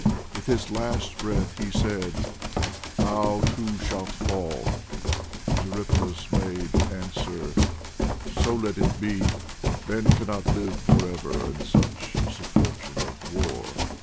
With his last breath he said, "Thou, too, shalt fall," but Eurypylus made answer, "So let it be! Men cannot live for ever, and such is the fortune of war."